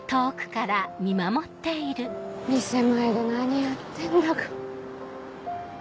店前で何やってんだか。